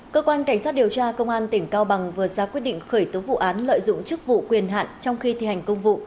cơ quan cảnh sát điều tra công an tỉnh cao bằng vừa ra quyết định khởi tố vụ án lợi dụng chức vụ quyền hạn trong khi thi hành công vụ